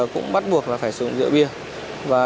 cũng bắt buộc phải sử dụng rượu bia